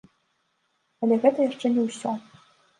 Але гэта яшчэ не ўсё!